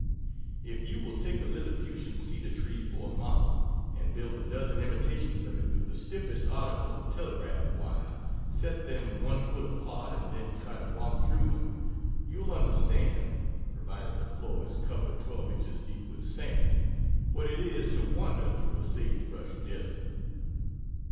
If you will take a Lilliputian cedar tree for a model, and build a dozen imitations of it with the stiffest article of telegraph wire set them one foot apart and then try to walk through them, you'll understand (provided the floor is covered 12 inches deep with sand,) what it is to wander through a sage brush desert.